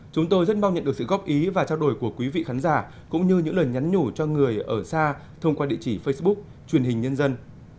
chúng tôi rất mong nhận được sự góp ý và trao đổi của quý vị khán giả cũng như những lời nhắn nhủ cho người ở xa thông qua địa chỉ facebook truyền hình nhân dân